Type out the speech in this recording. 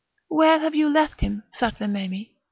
Where have you left him, Sutlememe?